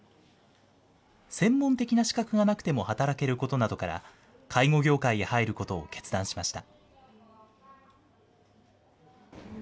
専門的な資格がなくても働けることなどから、介護業界へ入ることを決断しました。